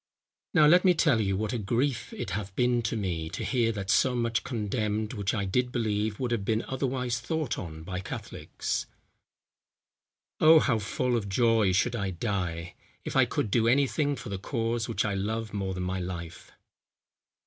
"Now, let me tell you, what a grief it hath been to me, to hear that so much condemned, which I did believe would have been otherwise thought on by Catholics." "Oh! how full of joy should I die, if I could do any thing for the cause which I love more than my life."